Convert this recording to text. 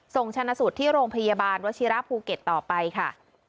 ชนะสูตรที่โรงพยาบาลวชิระภูเก็ตต่อไปค่ะ